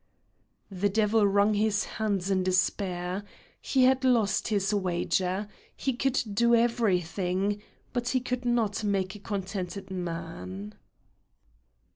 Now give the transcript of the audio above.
The devil wrung his hands in despair. He had lost his wager. He could do everything, but he could not make a contented man.